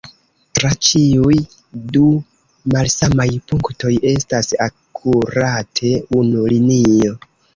Tra ĉiuj du malsamaj punktoj estas akurate unu linio.